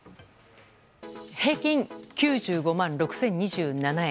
平均９５万６０２７円。